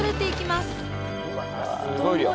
すごい量。